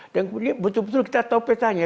dan kemudian betul betul kita tahu petanya